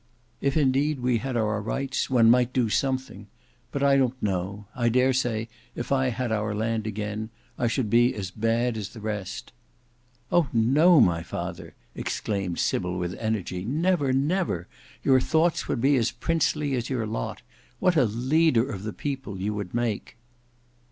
If indeed we had our rights, one might do something; but I don't know; I dare say if I had our land again, I should be as bad as the rest." "Oh! no, my father," exclaimed Sybil with energy, "never, never! Your thoughts would be as princely as your lot. What a leader of the people you would make!"